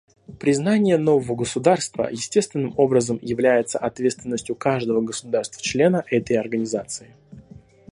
Признание нового государства естественным образом является ответственностью каждого государства-члена этой Организации.